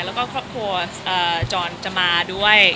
แล้วก็ครอบครัวจรจะมาด้วย